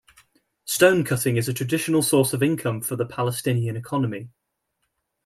Stonecutting is a traditional source of income for the Palestinian economy.